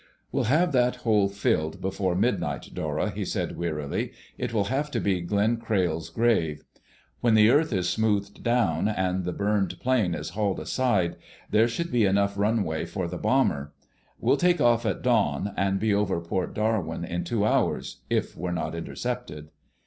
"We'll have that hole filled before midnight, Dora," he said wearily. "It will have to be Glenn Crayle's grave. When the earth is smoothed down and the burned plane is hauled aside, there should be enough runway for the bomber. We'll take off at dawn, and be over Port Darwin in two hours—if we're not intercepted."